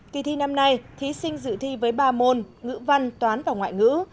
kỳ thi năm nay thí sinh dự thi với ba môn ngữ văn toán và ngoại ngữ